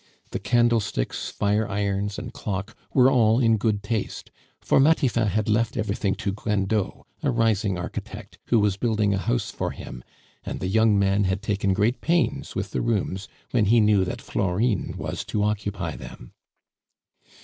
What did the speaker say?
The candlesticks, fire irons, and clock were all in good taste; for Matifat had left everything to Grindot, a rising architect, who was building a house for him, and the young man had taken great pains with the rooms when he knew that Florine was to occupy them.